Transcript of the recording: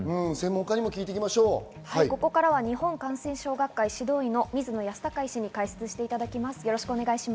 ここからは日本感染症学会・指導医の水野泰孝医師に解説していただきます。